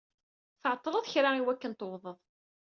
Tɛeṭṭlḍ kra i wakken tewwḍeḍ-d.